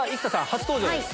初登場です